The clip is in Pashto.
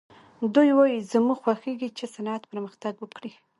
دوی وايي زموږ خوښېږي چې صنعت پرمختګ وکړي